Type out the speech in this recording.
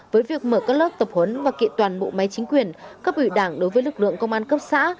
với việc mở các lớp tập huấn và kị toàn bộ máy chính quyền cấp ủy đảng đối với lực lượng công an cấp xã